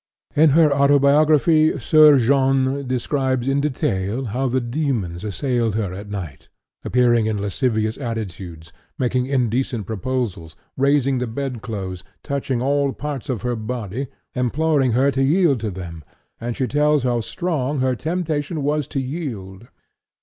In her autobiography Soeur Jeanne describes in detail how the demons assailed her at night, appearing in lascivious attitudes, making indecent proposals, raising the bed clothes, touching all parts of her body, imploring her to yield to them, and she tells how strong her temptation was to yield.